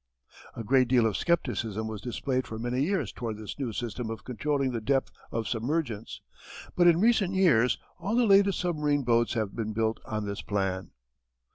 A great deal of skepticism was displayed for many years towards this new system of controlling the depth of submergence. But in recent years all the latest submarine boats have been built on this plan.